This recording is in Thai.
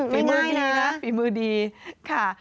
ฝีมือดีค่ะ